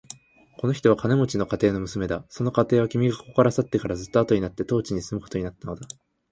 この人は金持の家庭の娘だ。その家庭は、君がここから去ってからずっとあとになって当地に住むことになったのだ。